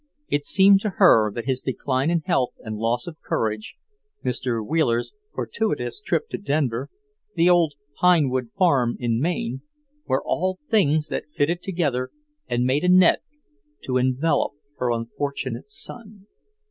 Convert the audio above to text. It seemed to her that his decline in health and loss of courage, Mr. Wheeler's fortuitous trip to Denver, the old pine wood farm in Maine; were all things that fitted together and made a net to envelop her unfortunate son.